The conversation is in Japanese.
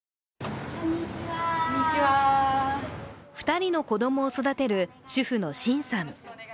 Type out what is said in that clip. ２人の子供を育てる主婦の辛さん。